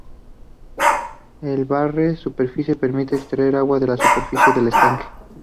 El barre superficie permite extraer agua de la superficie del estanque.